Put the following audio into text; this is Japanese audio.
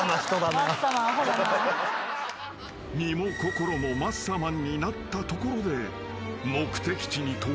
［身も心もマッサマンになったところで目的地に到着］